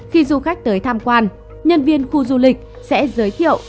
khi du khách tới tham quan nhân viên khu du lịch sẽ giới thiệu